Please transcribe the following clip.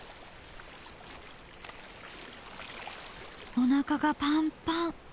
おなかがパンパン。